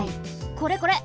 これこれ！